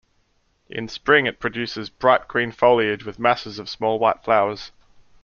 In spring, it produces bright green foliage with masses of small white flowers.